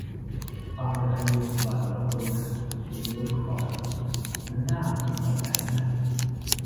ความกตัญญูของหล่อนต่อคุณน่ะ คุณวู้ดคอร์ต มันน่าพึงพอใจนะ